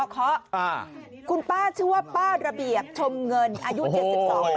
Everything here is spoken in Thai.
คุณป้าชื่อว่าป้าระเบียบชมเงินอายุ๗๒ปี